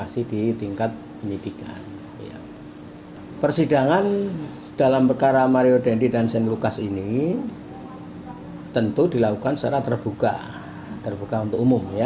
sidang perdana ini dilakukan secara terbuka terbuka untuk umum